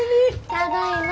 ただいま。